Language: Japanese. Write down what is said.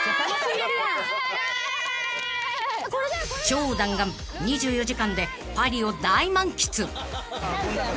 ［超弾丸２４時間でパリを大満喫］